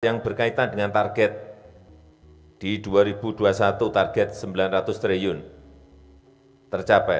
yang berkaitan dengan target di dua ribu dua puluh satu target rp sembilan ratus triliun tercapai